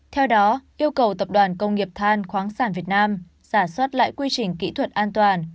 theo đó yêu cầu tập đoàn công nghiệp than khoáng sản việt nam giả soát lại quy trình kỹ thuật an toàn